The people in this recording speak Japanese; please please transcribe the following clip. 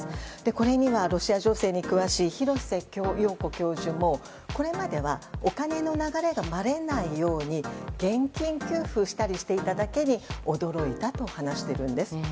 これにはロシア情勢に詳しい廣瀬陽子教授もこれまではお金の流れがばれないように現金給付したりしていただけに驚いたと話しているんです。